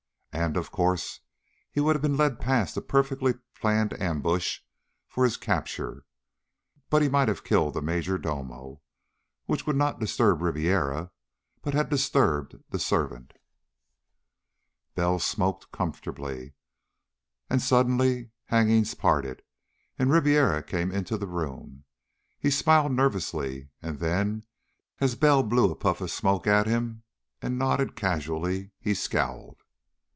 And, of course, he would have been led past a perfectly planned ambush for his capture but he might have killed the major domo. Which would not disturb Ribiera, but had disturbed the servant. Bell smoked comfortably. And suddenly hangings parted, and Ribiera came into the room. He smiled nervously, and then, as Bell blew a puff of smoke at him and nodded casually, he scowled.